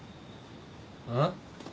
うん？